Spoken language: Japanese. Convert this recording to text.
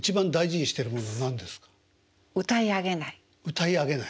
歌い上げない。